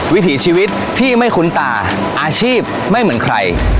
วิถีชีวิตที่ไม่คุ้นตาอาชีพไม่เหมือนใคร